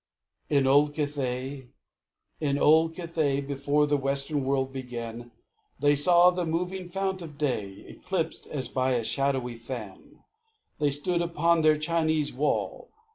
In old Cathay, in far Cathay, Before the western world began, They saw the moving fount of day Eclipsed, as by a shadowy fan; They stood upon their Chinese wall.